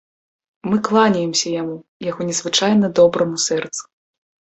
Мы кланяемся яму, яго незвычайна добраму сэрцу.